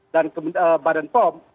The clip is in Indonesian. dan badan pom